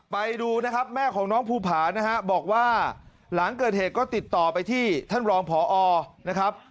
ไปดูนะครับแม่ของน้องภูผานะฮะบอกว่าหลังเกิดเหตุก็ติดต่อไปที่ท่านรองพอนะครับ